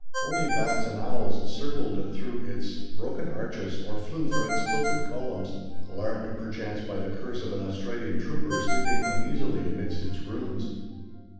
Only bats and owls circled through its broken arches or flew from its tilted columns, alarmed perchance by the curse of an Australian trooper sleeping uneasily amidst its ruins.